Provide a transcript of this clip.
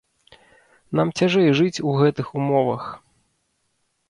Нам цяжэй жыць у гэтых умовах.